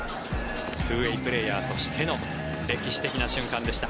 ツーウェイプレーヤーとしての歴史的な瞬間でした。